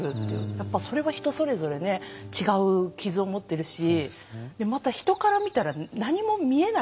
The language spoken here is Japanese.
やっぱそれは人それぞれね違う傷を持ってるしまた人から見たら何も見えないからその傷が。